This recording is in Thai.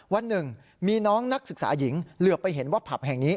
วันหนึ่งมีน้องนักศึกษาหญิงเหลือไปเห็นว่าผับแห่งนี้